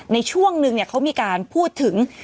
ในช่วงนึงเขามีการพูดถึง